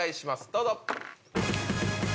どうぞ。